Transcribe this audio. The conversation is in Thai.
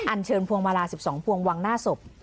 อันเชิญพวงมาลา๑๒พวงวางหน้าศพ